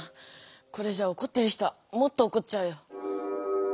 これじゃおこってる人はもっとおこっちゃうよ。